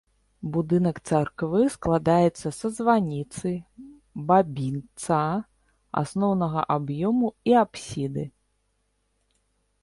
Будынак царквы складаецца са званіцы, бабінца, асноўнага аб'ёму і апсіды.